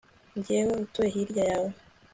Jyewe utuye hirya yawe